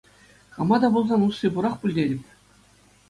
Кама та пулсан усси пурах пуль тетӗп.